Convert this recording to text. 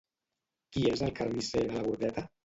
Qui és el carnisser de la Bordeta?